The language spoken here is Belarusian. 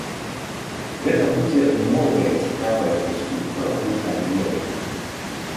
Гэта будзе новая цікавая прыступка ў кар'еры.